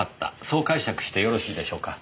そう解釈してよろしいでしょうか。